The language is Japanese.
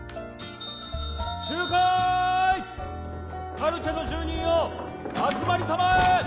カルチェの住人よ集まりたまえ！